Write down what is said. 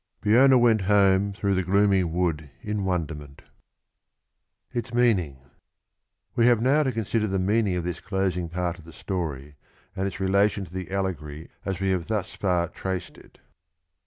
Peona went Home throuj^h the giooin\ wood in wonderment. itaraeanina \\7q havc uow to cousidcr the meaning of this closing part of the story and its relation to the allegory as we have thus far traced it.